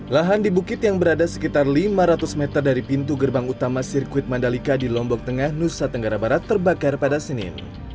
lahan di bukit yang berada sekitar lima ratus meter dari pintu gerbang utama sirkuit mandalika di lombok tengah nusa tenggara barat terbakar pada senin